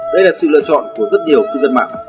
đây là sự lựa chọn của rất nhiều cư dân mạng